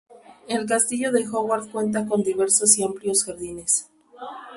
El castillo de Howard cuenta con diversos y amplios jardines.